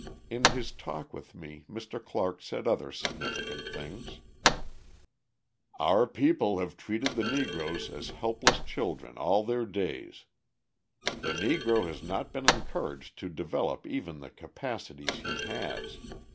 In his talk with me, Mr. Clark said other significant things: "Our people have treated the Negroes as helpless children all their days. The Negro has not been encouraged to develop even the capacities he has.